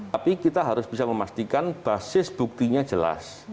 tapi kita harus bisa memastikan basis buktinya jelas